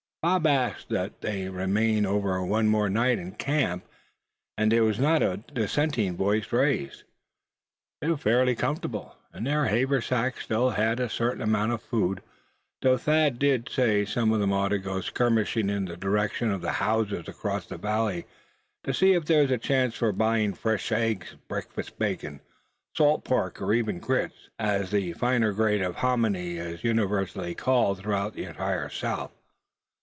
Bob asked that they remain over one more night in that camp, and there was not a dissenting voice raised. They were fairly comfortable, and their haversacks still held a certain amount of food; though Thad did say some of them ought to go skirmishing in the direction of the houses across the valley, to see if there was a chance for buying fresh eggs; breakfast bacon; salt pork; or even grits, as the finer grade of hominy is universally called throughout the entire South.